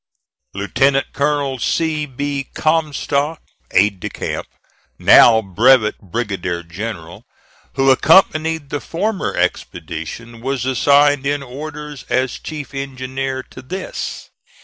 Lieutenant Colonel C. B. Comstock, aide de camp (now brevet brigadier general), who accompanied the former expedition, was assigned, in orders, as chief engineer to this.